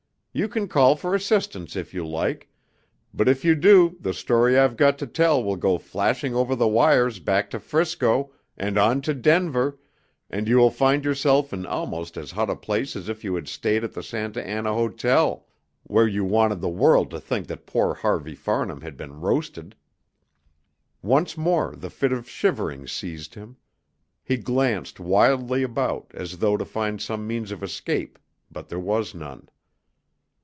You can call for assistance if you like, but if you do the story I've got to tell will go flashing over the wires back to 'Frisco, and on to Denver, and you will find yourself in almost as hot a place as if you had stayed at the Santa Anna Hotel, where you wanted the world to think that poor Harvey Farnham had been roasted." Once more the fit of shivering seized him. He glanced wildly about, as though to find some means of escape, but there was none.